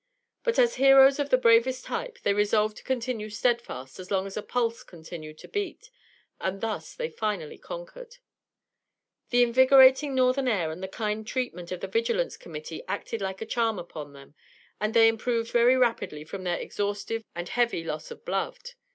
But as heroes of the bravest type they resolved to continue steadfast as long as a pulse continued to beat, and thus they finally conquered. The invigorating northern air and the kind treatment of the Vigilance Committee acted like a charm upon them, and they improved very rapidly from their exhaustive and heavy loss of blood.